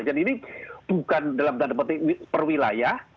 jadi ini bukan dalam tanda petik perwilayah